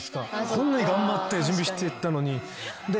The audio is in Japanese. こんなに頑張って準備してたのに。